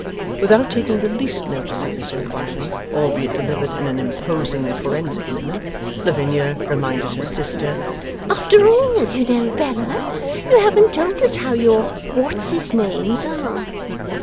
Without taking the least notice of this inquiry, albeit delivered in an imposing and forensic manner, Lavinia reminded her sister, 'After all, you know, Bella, you haven't told us how your Whatshisnames are.